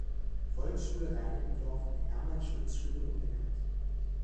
Volksschule Reinickendorf in "Hermann-Schulz-Schule" umbenannt.